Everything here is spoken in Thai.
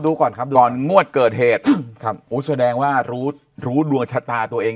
ก่อนครับก่อนงวดเกิดเหตุครับโอ้แสดงว่ารู้รู้ดวงชะตาตัวเอง